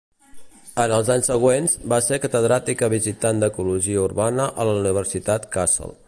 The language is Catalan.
En els anys següents va ser catedràtica visitant d'ecologia urbana a la Universitat Kassel.